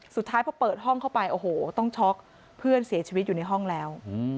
สุดท้ายพอเปิดห้องเข้าไปโอ้โหต้องช็อกเพื่อนเสียชีวิตอยู่ในห้องแล้ว